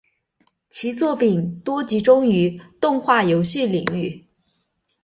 其作品多集中于动画游戏领域。